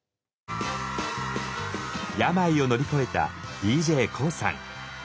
病を乗り越えたＤＪＫＯＯさん。